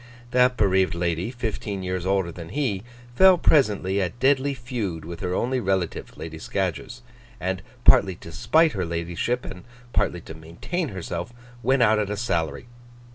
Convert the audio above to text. That bereaved lady, fifteen years older than he, fell presently at deadly feud with her only relative, Lady Scadgers; and, partly to spite her ladyship, and partly to maintain herself, went out at a salary.